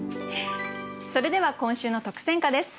それでは今週の特選歌です。